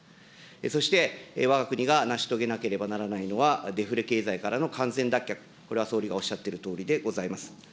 そして、わが国が成し遂げなければならないのは、デフレ経済からの完全脱却、これは総理がおっしゃっているとおりでございます。